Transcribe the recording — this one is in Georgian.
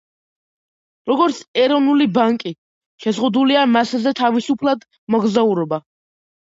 როგორც ეროვნული პარკი, შეზღუდულია მასზე თავისუფლად მოგზაურობა.